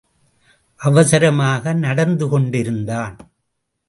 அவசரமாக நடந்து கொண்டிருந்தான்.